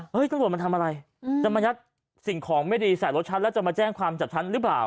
ตำรวจมาทำอะไรจะมายัดสิ่งของไม่ดีใส่รถฉันแล้วจะมาแจ้งความจากฉันหรือเปล่า